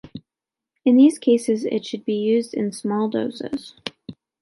In these cases it should be used in small doses.